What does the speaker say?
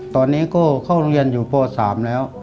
ตอนนี้ก็เข้าเรียนอยู่ป๓แล้ว